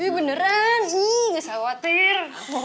iya beneran nggak usah khawatir